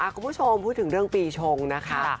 คุณผู้ชมพูดถึงเรื่องปีชงนะคะ